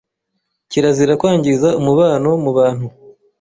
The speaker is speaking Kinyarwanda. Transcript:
Kirazira kwangiza umubano mu bantu